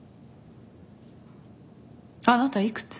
あなたいくつ？